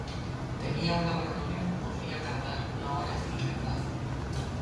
Tenía un laboratorio que podría tardar una hora en el revelado.